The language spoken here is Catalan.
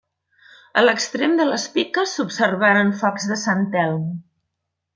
A l'extrem de les piques s'observaren focs de Sant Telm.